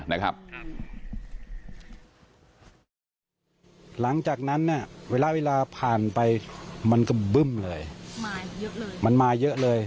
หลังจากนั้นเวลาผ่านไปมันก็บึ้มเลยมันมาเยอะเลย